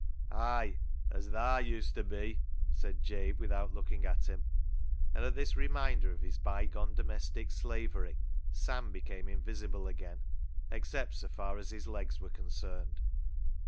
" Ay ! as thaa used to be," said Jabe without looking at him, and at this reminder of his bygone domestic slavery Sam became invisible again except so far as his legs were concerned.